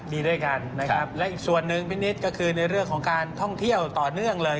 มีด้วยกันนะครับและอีกส่วนหนึ่งพี่นิดก็คือในเรื่องของการท่องเที่ยวต่อเนื่องเลย